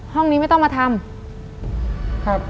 ห้องนี้ไม่ต้องมาทำ